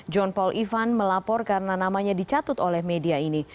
john paul ivan melapor karena namanya dicatut oleh media ini